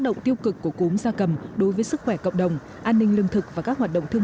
động tiêu cực của cúm gia cầm đối với sức khỏe cộng đồng an ninh lương thực và các hoạt động thương